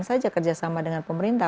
saja kerjasama dengan pemerintah